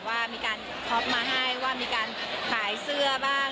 ว่ามีการท็อปมาให้ว่ามีการขายเสื้อบ้าง